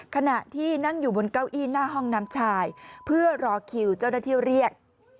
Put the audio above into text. ขณะที่นั่งอยู่บนเก้าอี้หน้าห้องน้ำชายเพื่อรอคิวเจ้าหน้าที่เรียก